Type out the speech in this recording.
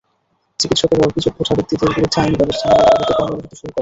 চিকিত্সকেরা অভিযোগ ওঠা ব্যক্তিদের বিরুদ্ধে আইনি ব্যবস্থা নেওয়ার দাবিতে কর্মবিরতি শুরু করেন।